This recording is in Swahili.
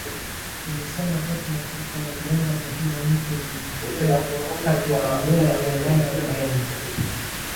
ilisema pato la taifa la Uganda kwa kila mtu lilifikia takriban dola mia nane arobaini